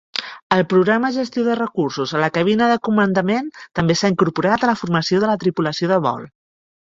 El programa "Gestió de recursos a la cabina de comandament" també s'ha incorporat a la formació de la tripulació de vol.